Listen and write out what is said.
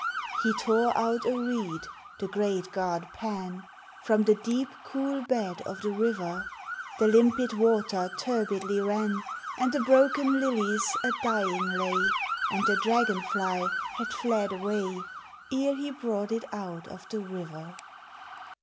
He tore out a reed, the great god Pan, From the deep, cool bed of the river, The limpid water turbidly ran, And the broken lilies a dying lay, And the dragon fly had fled away, Ere he brought it out of the river.